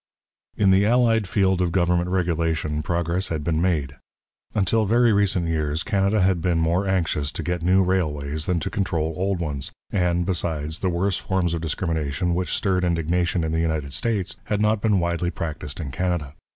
In the allied field of government regulation progress had been made. Until very recent years, Canada had been more anxious to get new railways than to control old ones, and, besides, the worse forms of discrimination which stirred indignation in the United States had not been widely practised in Canada.